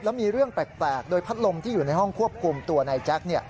แล้วมีเรื่องแปลกโดยพัดลมที่อยู่ในห้องควบคุมตัวนายแจ๊ค